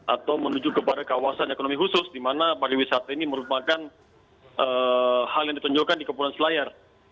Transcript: atau menuju kepada kawasan ekonomi khusus di mana pariwisata ini merupakan hal yang ditunjukkan di kepulauan selayar